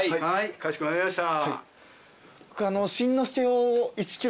かしこまりました。